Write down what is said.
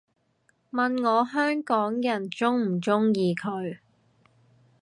問我香港人鍾唔鍾意佢